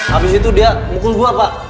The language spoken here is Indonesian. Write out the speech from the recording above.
habis itu dia mukul gue pak